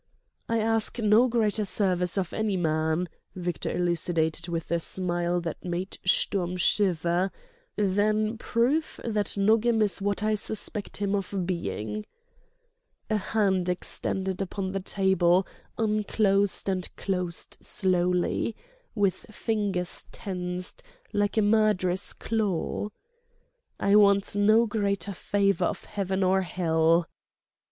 "I ask no greater service of any man," Victor elucidated with a smile that made Sturm shiver, "than proof that Nogam is what I suspect him of being." A hand extended upon the table unclosed and closed slowly, with fingers tensed, like a murderous claw. "I want no greater favour of Heaven or Hell—!"